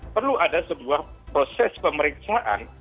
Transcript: perlu ada sebuah proses pemeriksaan